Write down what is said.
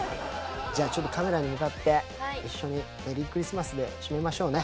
じゃあちょっとカメラに向かって一緒にメリークリスマスで締めましょうね。